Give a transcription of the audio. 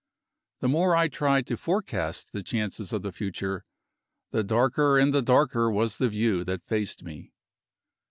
The more I tried to forecast the chances of the future, the darker and the darker was the view that faced me.